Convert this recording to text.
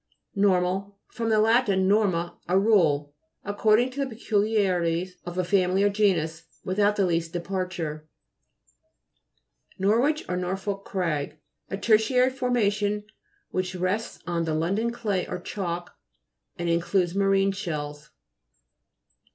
NOR'MAL fr. lat. norma, a rule. Ac cording to the peculiarities of a family or genus, without the least departure. NORWICH, or NORFOLK CRAG A tertiary formation which rests on the London clay or chalk, and in cludes marine shells (p.